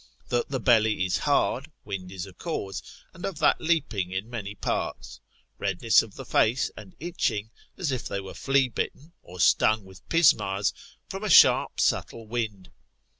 That the belly is hard, wind is a cause, and of that leaping in many parts. Redness of the face, and itching, as if they were flea bitten, or stung with pismires, from a sharp subtle wind.